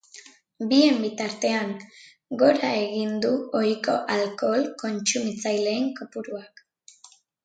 Bien bitartean, gora egin du ohiko alkohol kontsumitzaileen kopuruak.